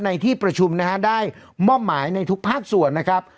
ในที่ประชุมนะฮะได้มอบหมายในทุกภาคส่วนนะครับ